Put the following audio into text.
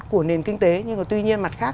của nền kinh tế nhưng mà tuy nhiên mặt khác